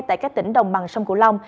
tại các tỉnh đồng bằng sông cửu long